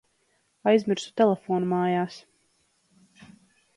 Aizmirsu telefonu mājās.